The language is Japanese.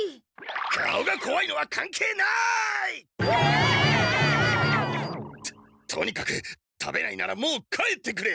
顔がこわいのはかんけいない！わ！ととにかく食べないならもう帰ってくれ！